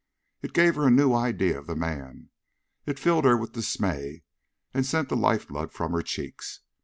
It gave her a new idea of the man; it filled her with dismay, and sent the life blood from her cheeks.